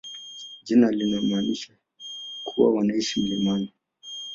Jina linamaanisha kuwa wanaishi milimani.